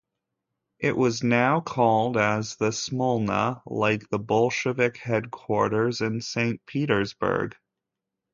It was now called as the Smolna, like the Bolshevik headquarters in Saint Petersburg.